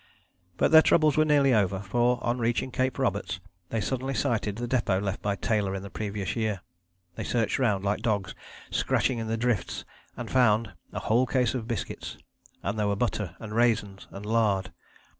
But their troubles were nearly over, for on reaching Cape Roberts they suddenly sighted the depôt left by Taylor in the previous year. They searched round, like dogs, scratching in the drifts, and found a whole case of biscuits: and there were butter and raisins and lard.